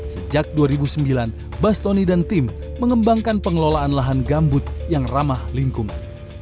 sejak dua ribu sembilan bastoni dan tim mengembangkan pengelolaan lahan gambut yang ramah lingkungan